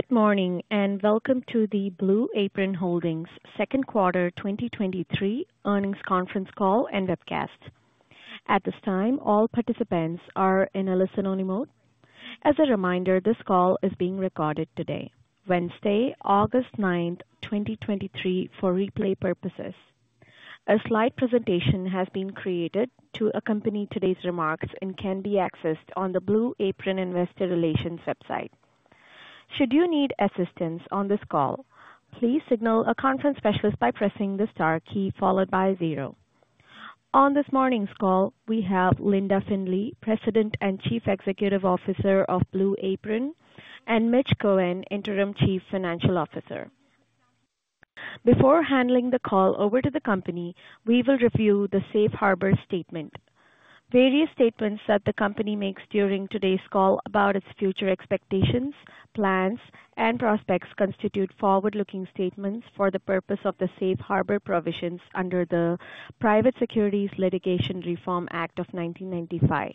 Good morning, and welcome to the Blue Apron Holdings second quarter 2023 earnings conference call and webcast. At this time, all participants are in a listen-only mode. As a reminder, this call is being recorded today, Wednesday, August 9, 2023, for replay purposes. A slide presentation has been created to accompany today's remarks and can be accessed on the Blue Apron Investor Relations website. Should you need assistance on this call, please signal a conference specialist by pressing the star key followed by zero. On this morning's call, we have Linda Findley, President and Chief Executive Officer of Blue Apron, and Mitch Cohen, Interim Chief Financial Officer. Before handling the call over to the company, we will review the Safe Harbor statement. Various statements that the company makes during today's call about its future expectations, plans, and prospects constitute forward-looking statements for the purpose of the Safe Harbor provisions under the Private Securities Litigation Reform Act of 1995.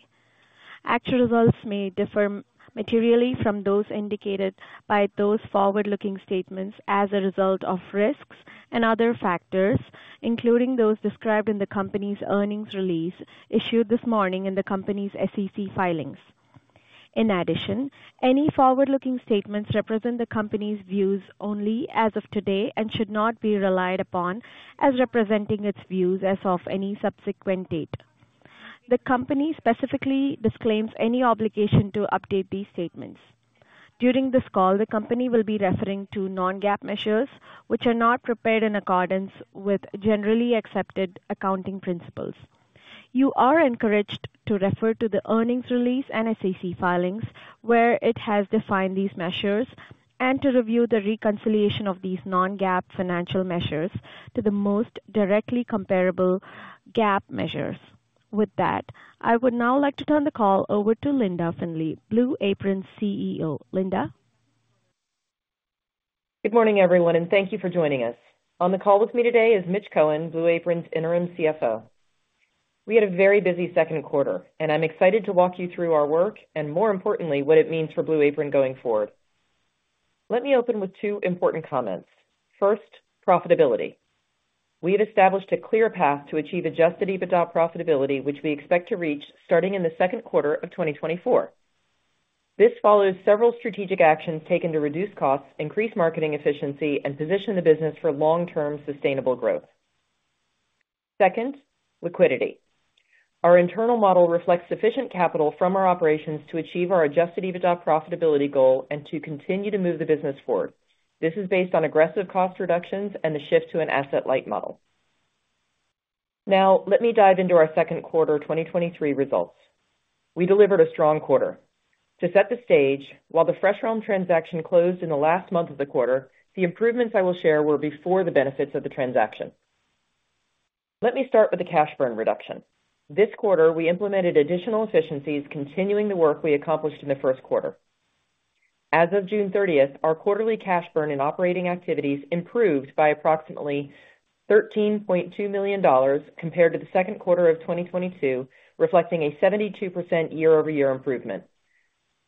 Actual results may differ materially from those indicated by those forward-looking statements as a result of risks and other factors, including those described in the company's earnings release issued this morning in the company's SEC filings. In addition, any forward-looking statements represent the company's views only as of today and should not be relied upon as representing its views as of any subsequent date. The company specifically disclaims any obligation to update these statements. During this call, the company will be referring to non-GAAP measures, which are not prepared in accordance with Generally Accepted Accounting Principles. You are encouraged to refer to the earnings release and SEC filings, where it has defined these measures, and to review the reconciliation of these non-GAAP financial measures to the most directly comparable GAAP measures. With that, I would now like to turn the call over to Linda Findley, Blue Apron's CEO. Linda? Good morning, everyone, and thank you for joining us. On the call with me today is Mitch Cohen, Blue Apron's Interim CFO. We had a very busy second quarter, and I'm excited to walk you through our work and, more importantly, what it means for Blue Apron going forward. Let me open with two important comments. First, profitability. We have established a clear path to achieve adjusted EBITDA profitability, which we expect to reach starting in the second quarter of 2024. This follows several strategic actions taken to reduce costs, increase marketing efficiency, and position the business for long-term sustainable growth. Second, liquidity. Our internal model reflects sufficient capital from our operations to achieve our adjusted EBITDA profitability goal and to continue to move the business forward. This is based on aggressive cost reductions and a shift to an asset-light model. Now, let me dive into our second quarter 2023 results. We delivered a strong quarter. To set the stage, while the FreshRealm transaction closed in the last month of the quarter, the improvements I will share were before the benefits of the transaction. Let me start with the cash burn reduction. This quarter, we implemented additional efficiencies, continuing the work we accomplished in the first quarter. As of June 30, our quarterly cash burn in operating activities improved by approximately $13.2 million compared to the second quarter of 2022, reflecting a 72% year-over-year improvement.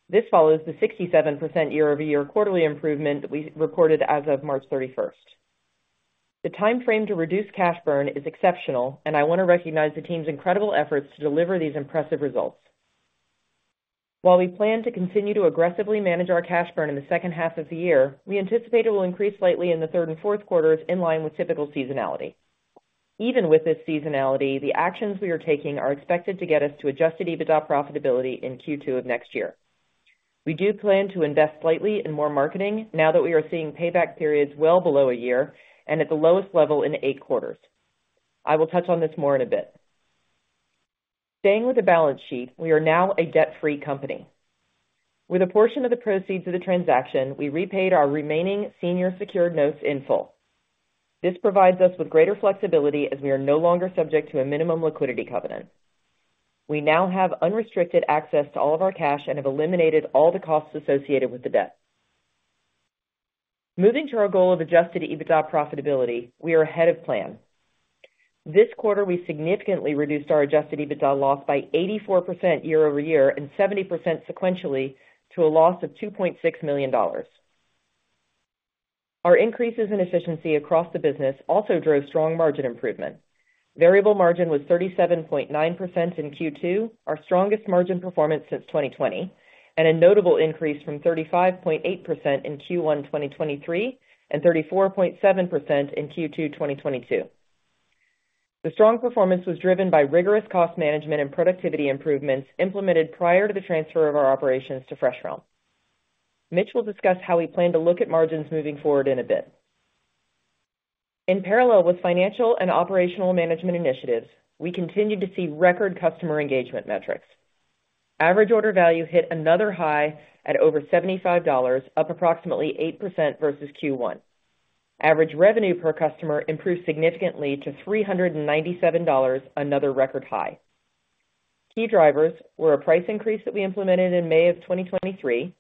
This follows the 67% year-over-year quarterly improvement we recorded as of March 31. The time frame to reduce cash burn is exceptional, and I want to recognize the team's incredible efforts to deliver these impressive results. While we plan to continue to aggressively manage our cash burn in the second half of the year, we anticipate it will increase slightly in the third and fourth quarters in line with typical seasonality. Even with this seasonality, the actions we are taking are expected to get us to adjusted EBITDA profitability in Q2 of next year. We do plan to invest slightly in more marketing now that we are seeing payback periods well below a year and at the lowest level in eight quarters. I will touch on this more in a bit. Staying with the balance sheet, we are now a debt-free company. With a portion of the proceeds of the transaction, we repaid our remaining senior secured notes in full. This provides us with greater flexibility as we are no longer subject to a minimum liquidity covenant. We now have unrestricted access to all of our cash and have eliminated all the costs associated with the debt. Moving to our goal of adjusted EBITDA profitability, we are ahead of plan. This quarter, we significantly reduced our adjusted EBITDA loss by 84% year-over-year and 70% sequentially to a loss of $2.6 million. Our increases in efficiency across the business also drove strong margin improvement. Variable margin was 37.9% in Q2, our strongest margin performance since 2020, and a notable increase from 35.8% in Q1 2023 and 34.7% in Q2 2022. The strong performance was driven by rigorous cost management and productivity improvements implemented prior to the transfer of our operations to FreshRealm. Mitch will discuss how we plan to look at margins moving forward in a bit. In parallel with financial and operational management initiatives, we continued to see record customer engagement metrics. Average order value hit another high at over $75, up approximately 8% versus Q1. Average revenue per customer improved significantly to $397, another record high. Key drivers were a price increase that we implemented in May of 2023,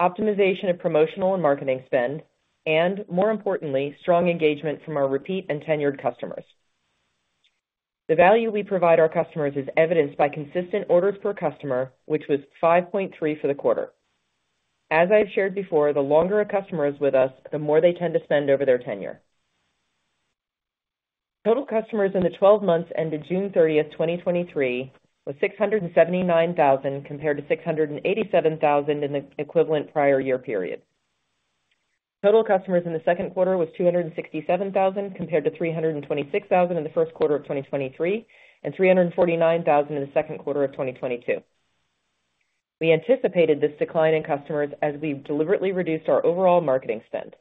optimization of promotional and marketing spend, and more importantly, strong engagement from our repeat and tenured customers. The value we provide our customers is evidenced by consistent orders per customer, which was 5.3 for the quarter. As I've shared before, the longer a customer is with us, the more they tend to spend over their tenure. Total customers in the 12 months ended June thirtieth, 2023, was 679,000, compared to 687,000 in the equivalent prior year period. Total customers in the second quarter was 267,000, compared to 326,000 in the first quarter of 2023, and 349,000 in the second quarter of 2022. We anticipated this decline in customers as we've deliberately reduced our overall marketing spend.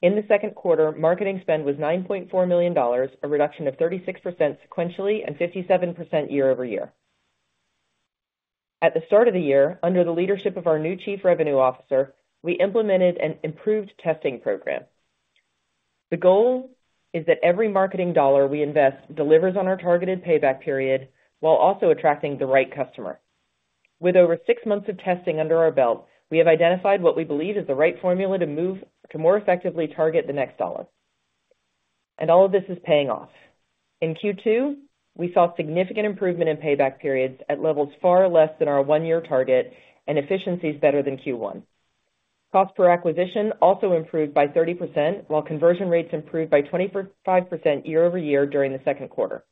In the second quarter, marketing spend was $9.4 million, a reduction of 36% sequentially and 57% year-over-year. At the start of the year, under the leadership of our new Chief Revenue Officer, we implemented an improved testing program. The goal is that every marketing dollar we invest delivers on our targeted payback period, while also attracting the right customer. With over 6 months of testing under our belt, we have identified what we believe is the right formula to move to more effectively target the next dollar. All of this is paying off. In Q2, we saw significant improvement in payback periods at levels far less than our 1-year target and efficiencies better than Q1. Cost per acquisition also improved by 30%, while conversion rates improved by 25% year-over-year during the second quarter.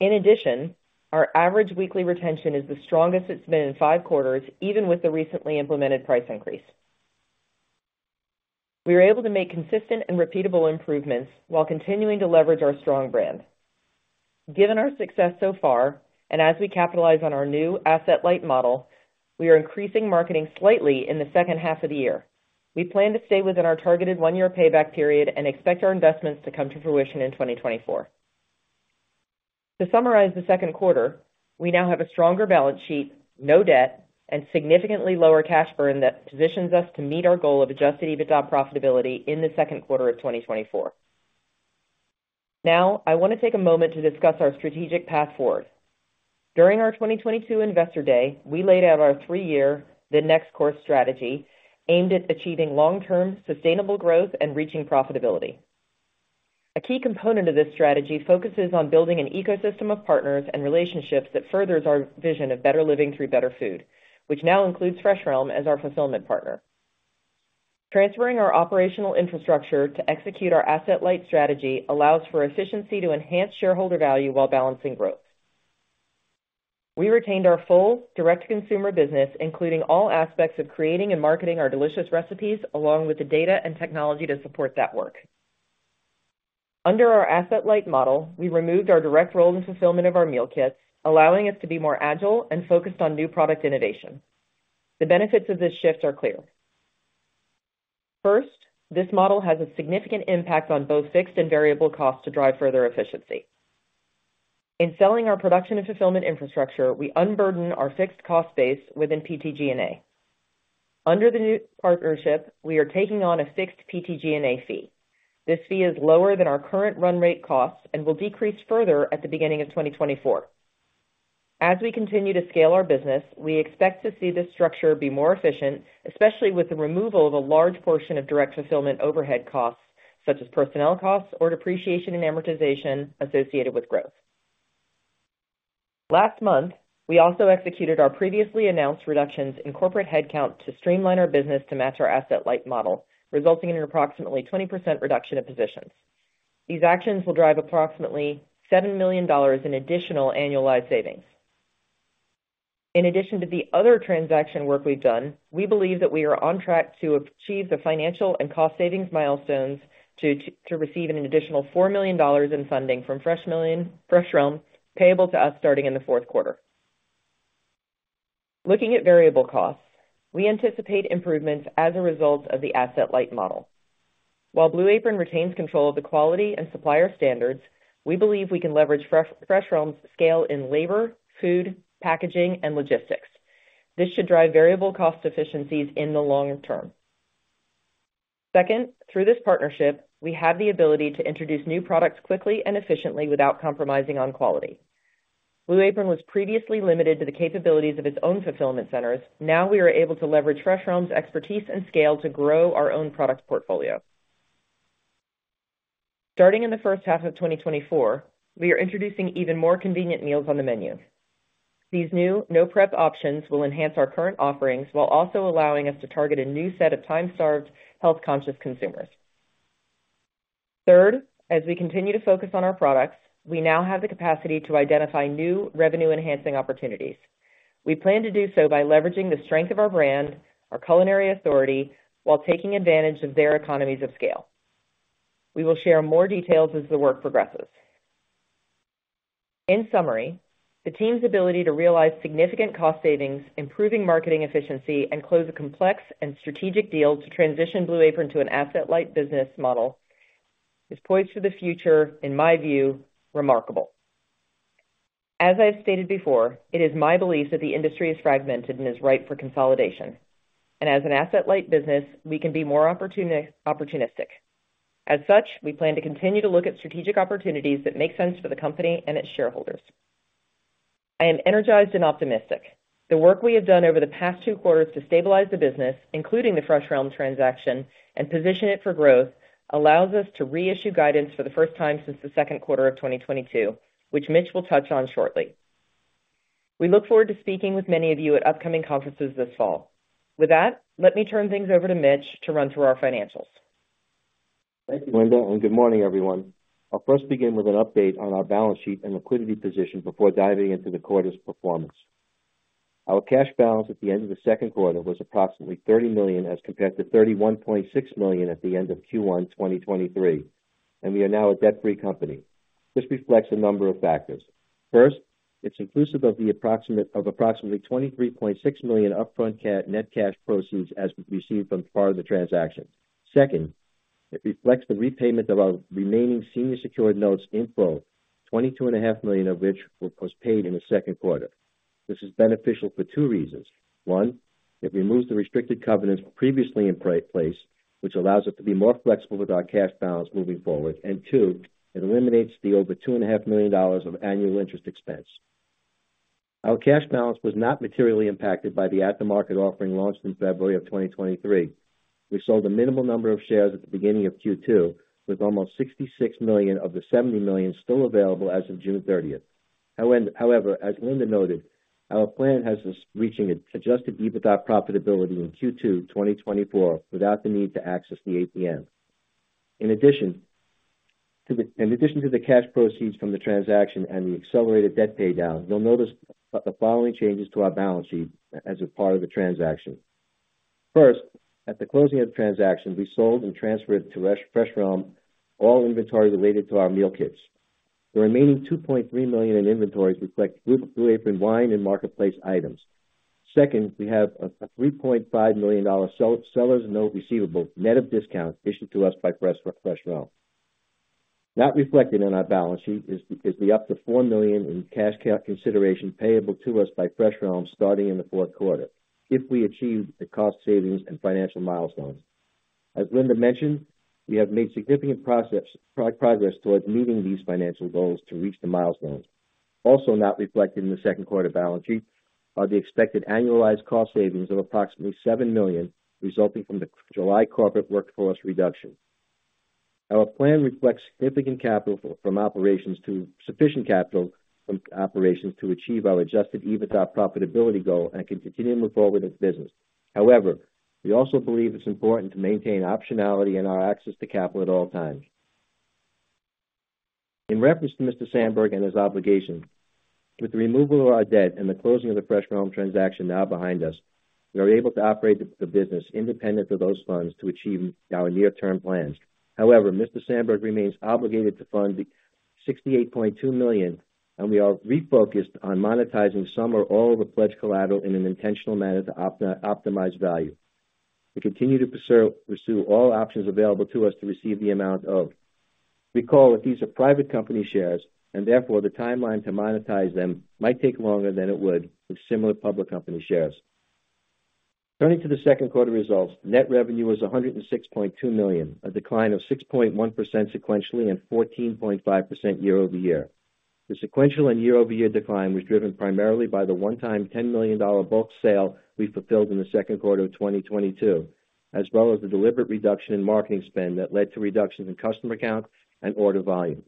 In addition, our average weekly retention is the strongest it's been in 5 quarters, even with the recently implemented price increase. We were able to make consistent and repeatable improvements while continuing to leverage our strong brand. Given our success so far, and as we capitalize on our new asset-light model, we are increasing marketing slightly in the second half of the year. We plan to stay within our targeted 1-year payback period and expect our investments to come to fruition in 2024. To summarize the second quarter, we now have a stronger balance sheet, no debt, and significantly lower cash burn that positions us to meet our goal of adjusted EBITDA profitability in the second quarter of 2024. Now, I want to take a moment to discuss our strategic path forward. During our 2022 Investor Day, we laid out our three-year, The Next Course strategy, aimed at achieving long-term sustainable growth and reaching profitability. A key component of this strategy focuses on building an ecosystem of partners and relationships that furthers our vision of better living through better food, which now includes FreshRealm as our fulfillment partner. Transferring our operational infrastructure to execute our asset-light strategy allows for efficiency to enhance shareholder value while balancing growth. We retained our full direct-to-consumer business, including all aspects of creating and marketing our delicious recipes, along with the data and technology to support that work. Under our asset-light model, we removed our direct role in fulfillment of our meal kits, allowing us to be more agile and focused on new product innovation. The benefits of this shift are clear. First, this model has a significant impact on both fixed and variable costs to drive further efficiency. In selling our production and fulfillment infrastructure, we unburden our fixed cost base within PTG&A. Under the new partnership, we are taking on a fixed PTG&A fee. This fee is lower than our current run rate costs and will decrease further at the beginning of 2024. As we continue to scale our business, we expect to see this structure be more efficient, especially with the removal of a large portion of direct fulfillment overhead costs, such as personnel costs or depreciation and amortization associated with growth. Last month, we also executed our previously announced reductions in corporate headcount to streamline our business to match our asset-light model, resulting in an approximately 20% reduction in positions. These actions will drive approximately $7 million in additional annualized savings. In addition to the other transaction work we've done, we believe that we are on track to achieve the financial and cost savings milestones to receive an additional $4 million in funding from FreshRealm, payable to us starting in the fourth quarter. Looking at variable costs, we anticipate improvements as a result of the asset-light model. While Blue Apron retains control of the quality and supplier standards, we believe we can leverage FreshRealm's scale in labor, food, packaging, and logistics. This should drive variable cost efficiencies in the long term. Second, through this partnership, we have the ability to introduce new products quickly and efficiently without compromising on quality. Blue Apron was previously limited to the capabilities of its own fulfillment centers. Now, we are able to leverage FreshRealm's expertise and scale to grow our own product portfolio. Starting in the first half of 2024, we are introducing even more convenient meals on the menu. These new no-prep options will enhance our current offerings while also allowing us to target a new set of time-starved, health-conscious consumers. Third, as we continue to focus on our products, we now have the capacity to identify new revenue-enhancing opportunities. We plan to do so by leveraging the strength of our brand, our culinary authority, while taking advantage of their economies of scale. We will share more details as the work progresses. In summary, the team's ability to realize significant cost savings, improving marketing efficiency, and close a complex and strategic deal to transition Blue Apron to an asset-light business model, is poised for the future, in my view, remarkable. As I've stated before, it is my belief that the industry is fragmented and is ripe for consolidation. As an asset-light business, we can be more opportunistic. As such, we plan to continue to look at strategic opportunities that make sense for the company and its shareholders. I am energized and optimistic. The work we have done over the past two quarters to stabilize the business, including the FreshRealm transaction, and position it for growth, allows us to reissue guidance for the first time since the second quarter of 2022, which Mitch will touch on shortly. We look forward to speaking with many of you at upcoming conferences this fall. With that, let me turn things over to Mitch to run through our financials. Thank you, Linda. Good morning, everyone. I'll first begin with an update on our balance sheet and liquidity position before diving into the quarter's performance. Our cash balance at the end of the second quarter was approximately $30 million, as compared to $31.6 million at the end of Q1 2023, and we are now a debt-free company. This reflects a number of factors. First, it's inclusive of approximately $23.6 million upfront net cash proceeds as we received from part of the transaction. Second, it reflects the repayment of our remaining senior secured notes in full, $22.5 million of which were prepaid in the second quarter. This is beneficial for two reasons. One, it removes the restricted covenants previously in place, which allows us to be more flexible with our cash balance moving forward. Two, it eliminates the over $2.5 million of annual interest expense. Our cash balance was not materially impacted by the at-the-market offering launched in February 2023. We sold a minimal number of shares at the beginning of Q2, with almost $66 million of the $70 million still available as of June 30. However, as Linda noted, our plan has us reaching adjusted EBITDA profitability in Q2 2024 without the need to access the ATM. In addition to the cash proceeds from the transaction and the accelerated debt paydown, you'll notice the following changes to our balance sheet as a part of the transaction. First, at the closing of the transaction, we sold and transferred to FreshRealm all inventory related to our meal kits. The remaining $2.3 million in inventories reflect Blue Apron wine and marketplace items. Second, we have a $3.5 million sellers note receivable, net of discount, issued to us by FreshRealm. Not reflected on our balance sheet is the up to $4 million in cash consideration payable to us by FreshRealm starting in the fourth quarter, if we achieve the cost savings and financial milestones. As Linda mentioned, we have made significant progress towards meeting these financial goals to reach the milestones. Also not reflected in the second quarter balance sheet are the expected annualized cost savings of approximately $7 million, resulting from the July corporate workforce reduction. Our plan reflects significant capital from operations to achieve our adjusted EBITDA profitability goal and can continue to move forward with the business. However, we also believe it's important to maintain optionality in our access to capital at all times. In reference to Mr. Sanberg and his obligations, with the removal of our debt and the closing of the FreshRealm transaction now behind us, we are able to operate the business independent of those funds to achieve our near-term plans. However, Mr. Sanberg remains obligated to fund the $68.2 million, and we are refocused on monetizing some or all of the pledged collateral in an intentional manner to optimize value. We continue to pursue all options available to us to receive the amount owed. Recall that these are private company shares, and therefore, the timeline to monetize them might take longer than it would with similar public company shares. Turning to the second quarter results, net revenue was $106.2 million, a decline of 6.1% sequentially, and 14.5% year-over-year. The sequential and year-over-year decline was driven primarily by the one-time $10 million bulk sale we fulfilled in the second quarter of 2022, as well as the deliberate reduction in marketing spend that led to reductions in customer count and order volume.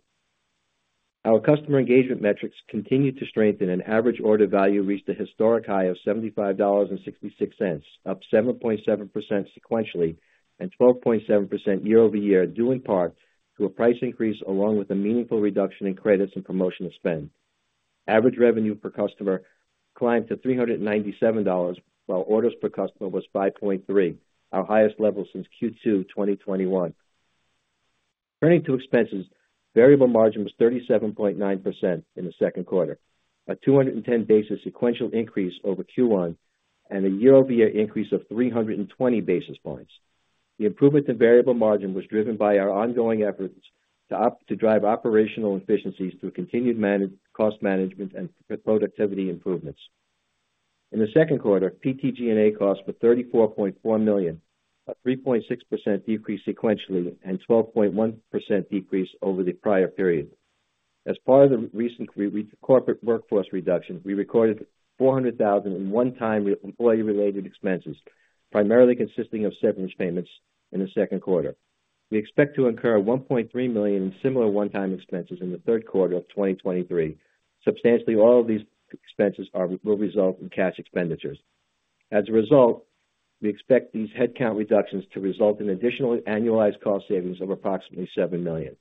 Our customer engagement metrics continued to strengthen and average order value reached a historic high of $75.66, up 7.7% sequentially, and 12.7% year-over-year, due in part to a price increase, along with a meaningful reduction in credits and promotional spend. Average revenue per customer climbed to $397, while orders per customer was 5.3, our highest level since Q2 2021. Turning to expenses, variable margin was 37.9% in the second quarter, a 210 basis sequential increase over Q1 and a year-over-year increase of 320 basis points. The improvement in variable margin was driven by our ongoing efforts to drive operational efficiencies through continued cost management and productivity improvements. In the second quarter, PTG&A costs were $34.4 million, a 3.6% decrease sequentially and 12.1% decrease over the prior period. As part of the recent Corporate Workforce Reduction, we recorded $400,000 in one-time employee related expenses, primarily consisting of severance payments in the second quarter. We expect to incur $1.3 million in similar one-time expenses in the third quarter of 2023. Substantially all of these expenses will result in cash expenditures. As a result, we expect these headcount reductions to result in additional annualized cost savings of approximately $7 million.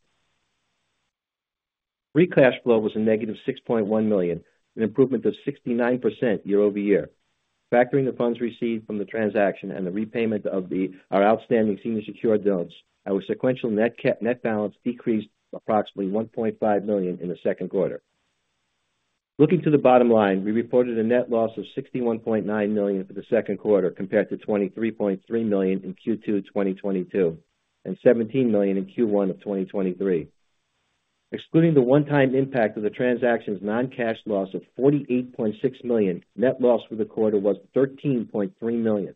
Free cash flow was a negative $6.1 million, an improvement of 69% year-over-year. Factoring the funds received from the transaction and the repayment of our outstanding senior secured loans, our sequential net balance decreased approximately $1.5 million in the second quarter. Looking to the bottom line, we reported a net loss of $61.9 million for the second quarter, compared to $23.3 million in Q2 2022, and $17 million in Q1 of 2023. Excluding the one-time impact of the transaction's non-cash loss of $48.6 million, net loss for the quarter was $13.3 million.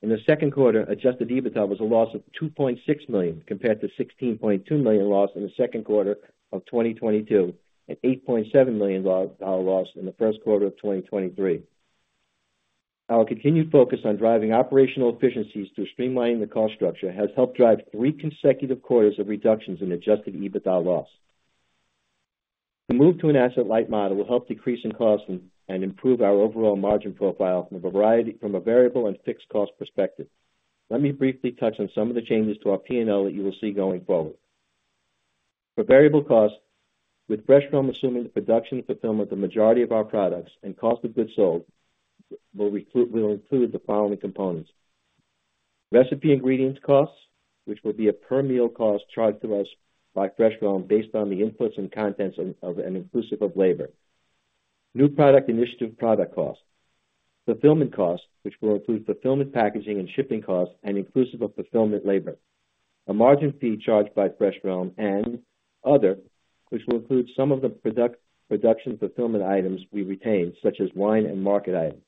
In the second quarter, adjusted EBITDA was a loss of $2.6 million, compared to $16.2 million loss in the second quarter of 2022, and $8.7 million dollar loss in the first quarter of 2023. Our continued focus on driving operational efficiencies through streamlining the cost structure has helped drive three consecutive quarters of reductions in adjusted EBITDA loss. The move to an asset-light model will help decrease in costs and improve our overall margin profile from a variable and fixed cost perspective. Let me briefly touch on some of the changes to our P&L that you will see going forward. For variable costs, with FreshRealm assuming the production fulfillment, the majority of our products and cost of goods sold will include the following components: Recipe ingredients costs, which will be a per meal cost charged to us by FreshRealm based on the inputs and contents of, and inclusive of labor. New product initiative product costs. Fulfillment costs, which will include fulfillment, packaging, and shipping costs, and inclusive of fulfillment labor. A margin fee charged by FreshRealm and other, which will include some of the production fulfillment items we retain, such as wine and marketplace items.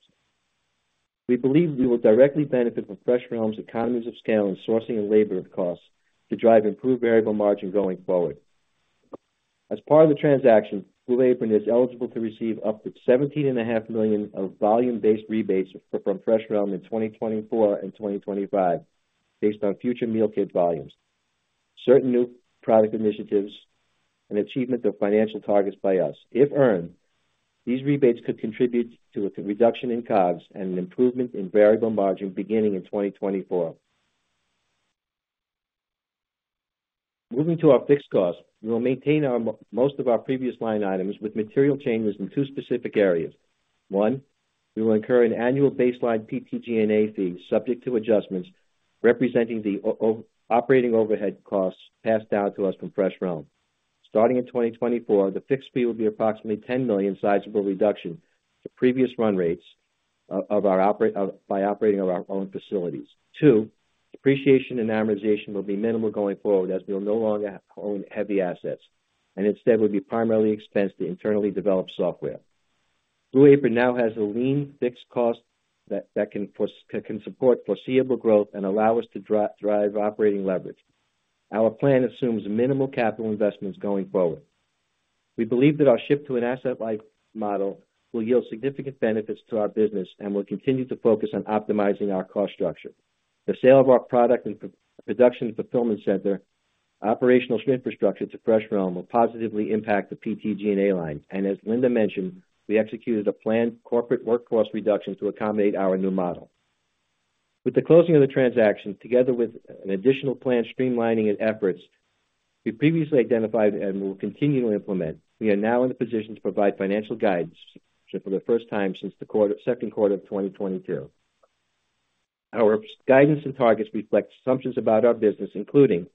We believe we will directly benefit from FreshRealm's economies of scale and sourcing and labor costs to drive improved variable margin going forward. As part of the transaction, Blue Apron is eligible to receive up to $17.5 million of volume-based rebates from FreshRealm in 2024 and 2025, based on future meal kit volumes, certain new product initiatives, and achievement of financial targets by us. If earned, these rebates could contribute to a reduction in COGS and an improvement in variable margin beginning in 2024. Moving to our fixed costs, we will maintain our most of our previous line items with material changes in two specific areas. One, we will incur an annual baseline PTG&A fee, subject to adjustments, representing the operating overhead costs passed down to us from FreshRealm. Starting in 2024, the fixed fee will be approximately $10 million sizable reduction to previous run rates by operating of our own facilities. 2. Depreciation and amortization will be minimal going forward, as we'll no longer own heavy assets, and instead will be primarily expense to internally develop software. Blue Apron now has a lean fixed cost that can support foreseeable growth and allow us to drive operating leverage. Our plan assumes minimal capital investments going forward. We believe that our shift to an asset-light model will yield significant benefits to our business and will continue to focus on optimizing our cost structure. The sale of our product and production fulfillment center, operational infrastructure to FreshRealm will positively impact the PTG&A line. As Linda mentioned, we executed a planned corporate workforce reduction to accommodate our new model. With the closing of the transaction, together with an additional planned streamlining and efforts we previously identified and will continue to implement, we are now in the position to provide financial guidance for the first time since the quarter, second quarter of 2022. Our guidance and targets reflect assumptions about our business, including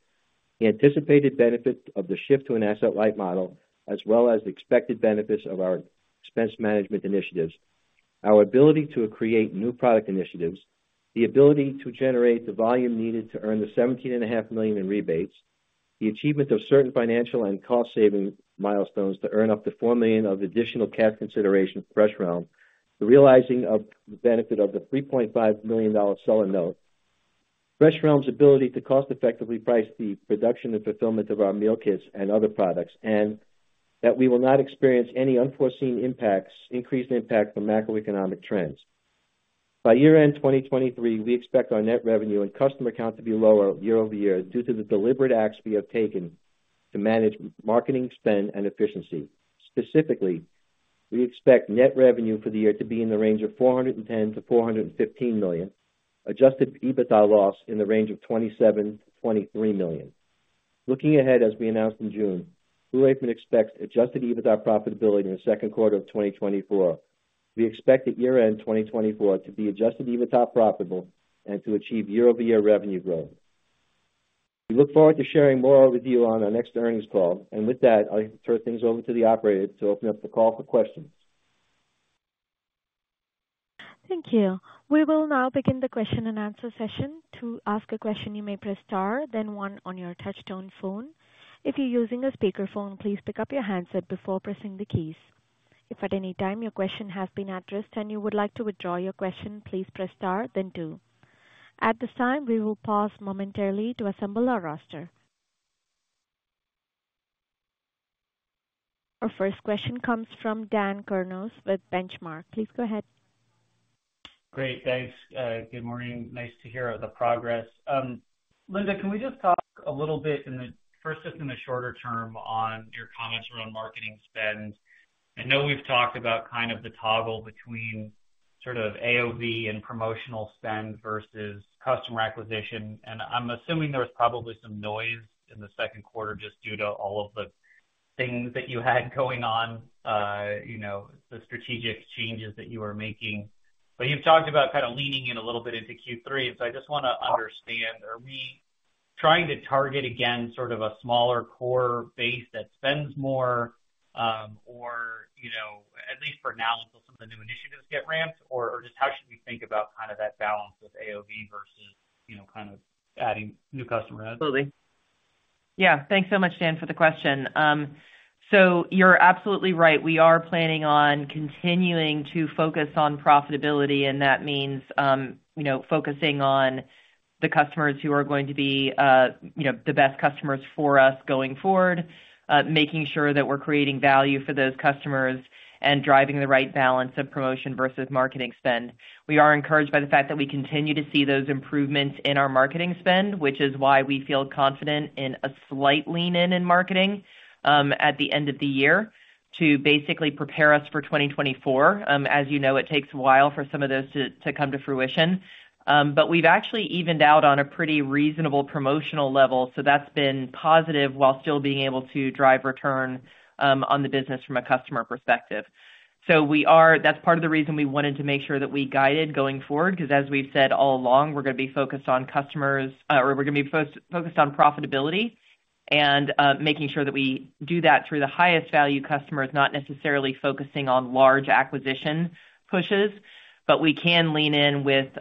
the anticipated benefits of the shift to an asset-light model, as well as the expected benefits of our expense management initiatives, our ability to create new product initiatives, the ability to generate the volume needed to earn the $17.5 million in rebates, the achievement of certain financial and cost saving milestones to earn up to $4 million of additional cash consideration of FreshRealm, the realizing of the benefit of the $3.5 million seller note. FreshRealm's ability to cost effectively price the production and fulfillment of our meal kits and other products, and that we will not experience any unforeseen impacts, increased impact from macroeconomic trends. By year-end 2023, we expect our net revenue and customer count to be lower year-over-year due to the deliberate acts we have taken to manage marketing spend and efficiency. Specifically, we expect net revenue for the year to be in the range of $410 million-$415 million, adjusted EBITDA loss in the range of $27 million-$23 million. Looking ahead, as we announced in June, Blue Apron expects adjusted EBITDA profitability in the second quarter of 2024. We expect at year-end 2024 to be adjusted EBITDA profitable and to achieve year-over-year revenue growth. We look forward to sharing more with you on our next earnings call. With that, I'll turn things over to the operator to open up the call for questions. Thank you. We will now begin the question and answer session. To ask a question, you may press star, then one on your touchtone phone. If you're using a speakerphone, please pick up your handset before pressing the keys. If at any time your question has been addressed and you would like to withdraw your question, please press star then two. At this time, we will pause momentarily to assemble our roster. Our first question comes from Dan Kurnos with Benchmark. Please go ahead. Great, thanks. Good morning. Nice to hear of the progress. Linda, can we just talk a little bit in the, first, just in the shorter term on your comments around marketing spend? I know we've talked about kind of the toggle between sort of AOV and promotional spend versus customer acquisition, and I'm assuming there was probably some noise in the second quarter just due to all of the things that you had going on, you know, the strategic changes that you are making. You've talked about kind of leaning in a little bit into Q3. I just wanna understand, are we trying to target again, sort of a smaller core base that spends more, or, you know, at least for now, until some of the new initiatives get ramped? Just how should we think about kind of that balance with AOV versus, you know, kind of adding new customer adds? Yeah, thanks so much, Dan, for the question. You're absolutely right. We are planning on continuing to focus on profitability, and that means, you know, focusing on the customers who are going to be, you know, the best customers for us going forward. Making sure that we're creating value for those customers and driving the right balance of promotion versus marketing spend. We are encouraged by the fact that we continue to see those improvements in our marketing spend, which is why we feel confident in a slight lean in, in marketing, at the end of the year to basically prepare us for 2024. As you know, it takes a while for some of those to, to come to fruition. We've actually evened out on a pretty reasonable promotional level. That's been positive while still being able to drive return on the business from a customer perspective. That's part of the reason we wanted to make sure that we guided going forward, 'cause as we've said all along, we're gonna be focused on customers, or we're gonna be focused on profitability and making sure that we do that through the highest value customers, not necessarily focusing on large acquisition pushes. We can lean in with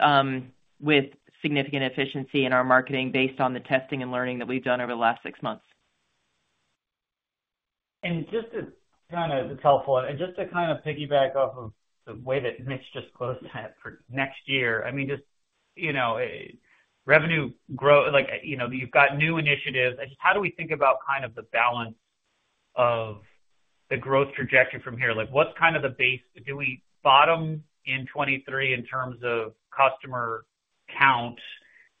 significant efficiency in our marketing based on the testing and learning that we've done over the last six months. It's helpful. Just to kind of piggyback off of the way that Mitch just closed that for next year, I mean, just, you know, a revenue like, you know, you've got new initiatives. Just how do we think about kind of the balance of the growth trajectory from here? Like, what's kind of the base? Do we bottom in 2023 in terms of customer count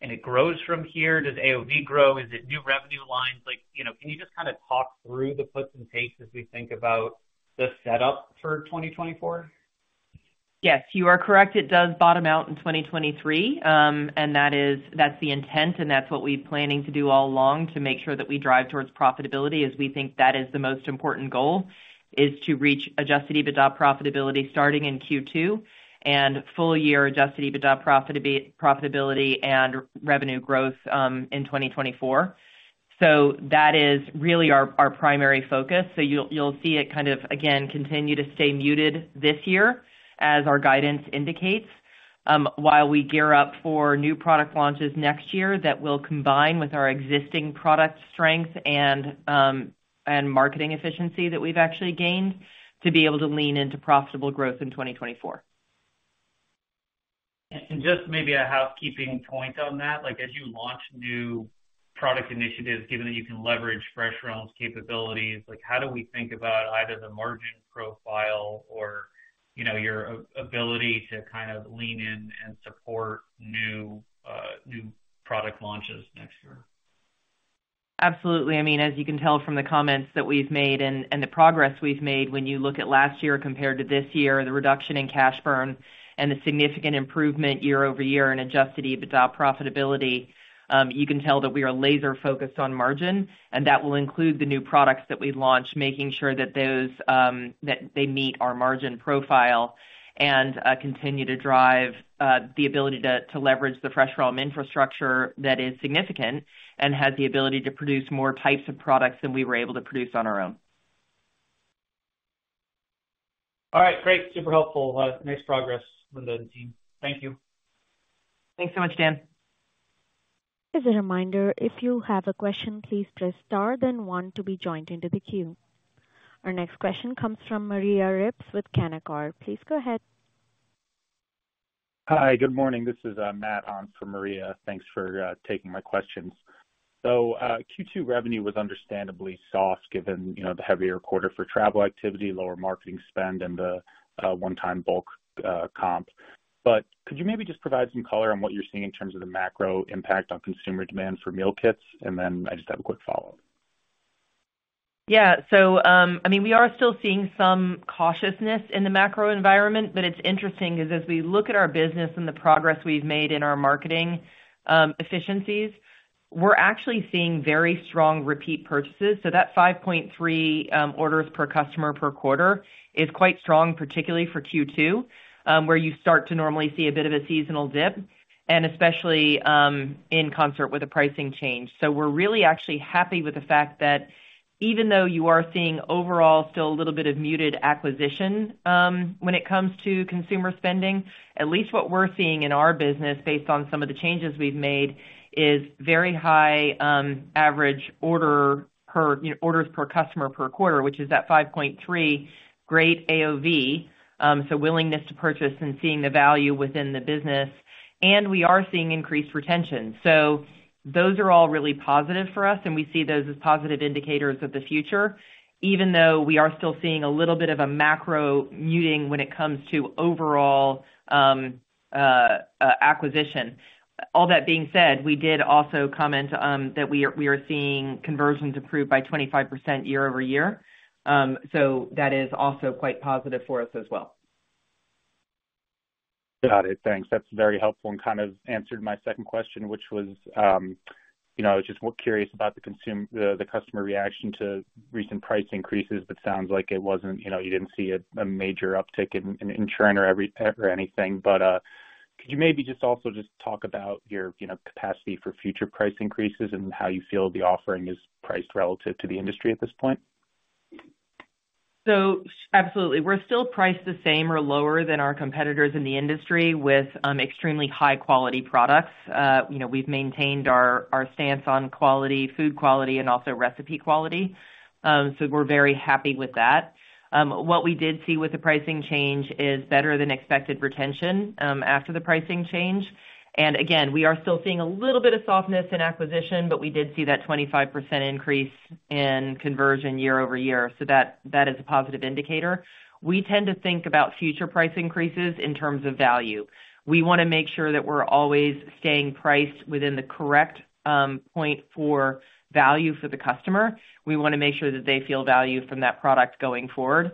and it grows from here? Does AOV grow? Is it new revenue lines? Like, you know, can you just kind of talk through the puts and takes as we think about the setup for 2024? Yes, you are correct. It does bottom out in 2023. That is, that's the intent, and that's what we've planning to do all along, to make sure that we drive towards profitability, as we think that is the most important goal, is to reach adjusted EBITDA profitability starting in Q2 and full year adjusted EBITDA profitability and revenue growth in 2024. That is really our, our primary focus. You'll, you'll see it kind of, again, continue to stay muted this year as our guidance indicates, while we gear up for new product launches next year, that will combine with our existing product strength and marketing efficiency that we've actually gained to be able to lean into profitable growth in 2024. Just maybe a housekeeping point on that. Like, as you launch new product initiatives, given that you can leverage FreshRealm's capabilities, like, how do we think about either the margin profile or, you know, your ability to kind of lean in and support new product launches next year? Absolutely. I mean, as you can tell from the comments that we've made and, and the progress we've made, when you look at last year compared to this year, the reduction in cash burn and the significant improvement year over year in adjusted EBITDA profitability, you can tell that we are laser focused on margin, and that will include the new products that we've launched. Making sure that those that they meet our margin profile and continue to drive the ability to, to leverage the FreshRealm infrastructure that is significant and has the ability to produce more types of products than we were able to produce on our own. All right, great. Super helpful. Nice progress, Linda and the team. Thank you. Thanks so much, Dan. As a reminder, if you have a question, please press star then one to be joined into the queue. Our next question comes from Maria Ripps with Canaccord. Please go ahead. Hi, good morning. This is Matt on for Maria. Thanks for taking my questions. Q2 revenue was understandably soft, given, you know, the heavier quarter for travel activity, lower marketing spend and the one-time bulk comp. Could you maybe just provide some color on what you're seeing in terms of the macro impact on consumer demand for meal kits? Then I just have a quick follow-up. Yeah. I mean, we are still seeing some cautiousness in the macro environment. It's interesting, is as we look at our business and the progress we've made in our marketing efficiencies, we're actually seeing very strong repeat purchases. That 5.3 orders per customer per quarter is quite strong, particularly for Q2, where you start to normally see a bit of a seasonal dip and especially in concert with a pricing change. We're really actually happy with the fact that even though you are seeing overall still a little bit of muted acquisition, when it comes to consumer spending, at least what we're seeing in our business, based on some of the changes we've made, is very high average order per, you know, orders per customer per quarter, which is at 5.3, great AOV. Willingness to purchase and seeing the value within the business, and we are seeing increased retention. Those are all really positive for us, and we see those as positive indicators of the future, even though we are still seeing a little bit of a macro muting when it comes to overall acquisition. All that being said, we did also comment that we are, we are seeing conversions improve by 25% year-over-year. That is also quite positive for us as well. Got it. Thanks. That's very helpful and kind of answered my second question, which was, you know, I was just more curious about the customer reaction to recent price increases, but sounds like it wasn't, you know, you didn't see a, a major uptick in, in churn or every, or anything. Could you maybe just also just talk about your, you know, capacity for future price increases and how you feel the offering is priced relative to the industry at this point? Absolutely. We're still priced the same or lower than our competitors in the industry with extremely high-quality products. you know, we've maintained our, our stance on quality, food quality and also recipe quality. We're very happy with that. What we did see with the pricing change is better than expected retention, after the pricing change. And again, we are still seeing a little bit of softness in acquisition, but we did see that 25% increase in conversion year-over-year. That, that is a positive indicator. We tend to think about future price increases in terms of value. We wanna make sure that we're always staying priced within the correct, point for value for the customer. We wanna make sure that they feel value from that product going forward.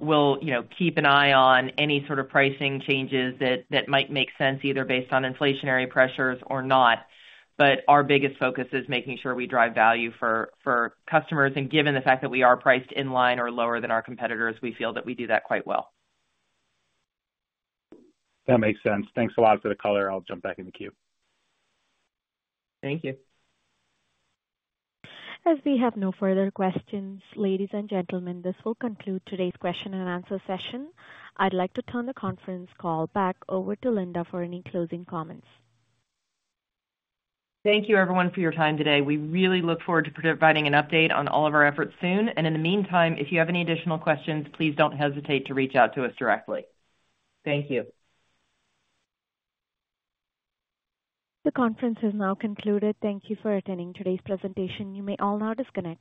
We'll, you know, keep an eye on any sort of pricing changes that, that might make sense, either based on inflationary pressures or not. Our biggest focus is making sure we drive value for, for customers, and given the fact that we are priced in line or lower than our competitors, we feel that we do that quite well. That makes sense. Thanks a lot for the color. I'll jump back in the queue. Thank you. As we have no further questions, ladies and gentlemen, this will conclude today's question and answer session. I'd like to turn the conference call back over to Linda for any closing comments. Thank you everyone for your time today. We really look forward to providing an update on all of our efforts soon. In the meantime, if you have any additional questions, please don't hesitate to reach out to us directly. Thank you. The conference is now concluded. Thank you for attending today's presentation. You may all now disconnect.